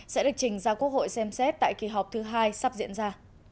sẽ được trình ra quốc hội xem xét tại kỳ họp thứ hai sắp diễn ra